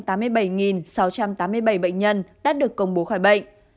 trong đó có bảy trăm tám mươi bảy sáu trăm tám mươi bảy bệnh nhân đã được công bố khỏi bệnh